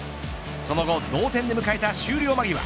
その後同点で迎えた終了間際。